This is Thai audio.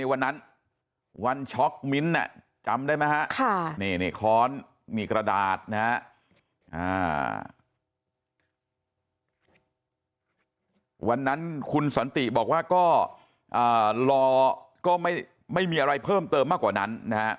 วันนั้นคุณสันติบอกว่าก็รอก็ไม่มีอะไรเพิ่มเติมมากกว่านั้นนะฮะ